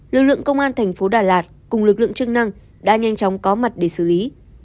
lực lượng công an thành phố đà lạt cùng lực lượng chức năng đã nhanh chóng có mặt để xử lý